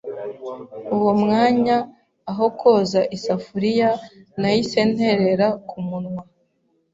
uwo mwanya aho koza isafuriya, nahise nterera ku munwa